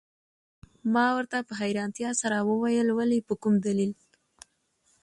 ما ورته په حیرانتیا سره وویل: ولي، په کوم دلیل؟